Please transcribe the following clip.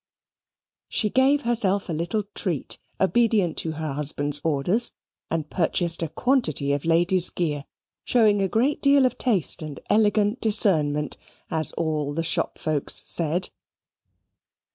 She gave herself a little treat, obedient to her husband's orders, and purchased a quantity of lady's gear, showing a great deal of taste and elegant discernment, as all the shopfolks said.